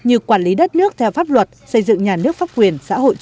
như quản lý đất nước theo pháp luật xây dựng nhà nước pháp quyền xã hội chủ nghĩa